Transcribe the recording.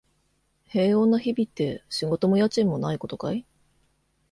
平穏な日々って、仕事も家賃もないことかい？